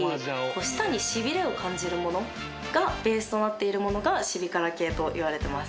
舌にしびれを感じるものがベースとなっているものがシビ辛系といわれてます